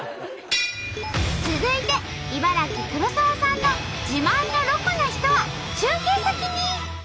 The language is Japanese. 続いて茨城黒沢さんの自慢のロコな人は中継先に！